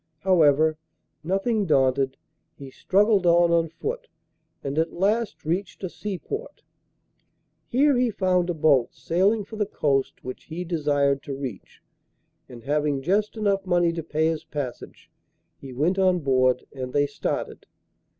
However, nothing daunted, he struggled on on foot, and at last reached a seaport. Here he found a boat sailing for the coast which he desired to reach, and, having just enough money to pay his passage, he went on board and they started.